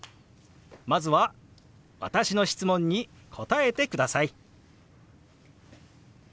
まずは私の質問に答えてください。